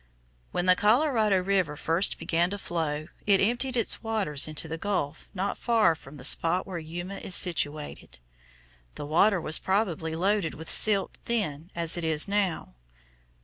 When the Colorado River first began to flow, it emptied its waters into the gulf not far from the spot where Yuma is situated. The water was probably loaded with silt then as it is now.